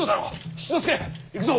七之助行くぞ。